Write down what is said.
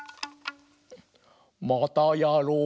またやろう！